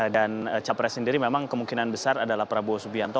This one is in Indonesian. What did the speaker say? dan capres sendiri memang kemungkinan besar adalah prabowo